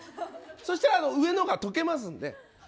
そしたら、上のが溶けますので。